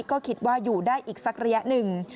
ก็คิดว่าอยู่ได้อีกสักระยะหนึ่ง